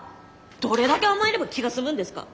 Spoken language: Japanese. どれだけ甘えれば気が済むんですか！